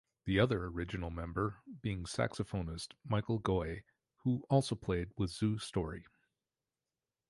The other original member being saxophonist Michael Goy, who also played with Zoo Story.